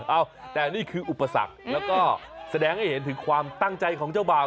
เอ้าแต่นี่คืออุปสรรคแล้วก็แสดงให้เห็นถึงความตั้งใจของเจ้าบ่าว